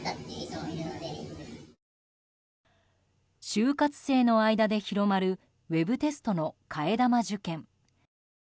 就活生の間で広まるウェブテストの替え玉受験。